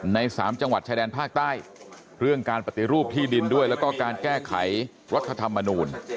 ใน๓จังหวัดชายแดนภาคใต้เรื่องการปฏิรูปที่ดินด้วยแล้วก็การแก้ไขรัฐธรรมนูล